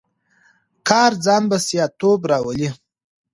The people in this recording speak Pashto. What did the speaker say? کار ځان بسیا توب راولي.